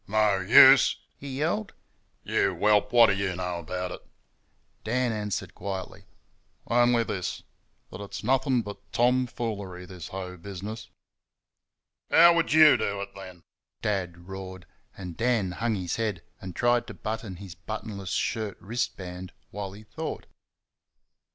"No USE?" he yelled, "you whelp, what do you know about it?" Dan answered quietly: "On'y this, that it's nothing but tomfoolery, this hoe business." "How would you do it then?" Dad roared, and Dan hung his head and tried to button his buttonless shirt wrist band while he thought.